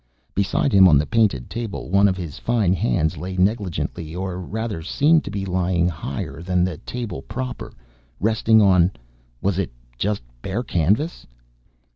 Beside him on the painted table one of his fine hands lay negligently or rather, seemed to be lying higher than the table proper, resting on ... was it just bare canvas?